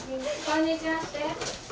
「こんにちは」して。